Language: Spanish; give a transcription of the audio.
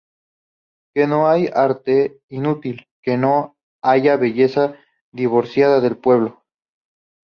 Que no haya arte inútil, que no haya belleza divorciada del pueblo.